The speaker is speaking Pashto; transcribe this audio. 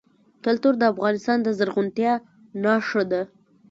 کلتور د افغانستان د زرغونتیا نښه ده.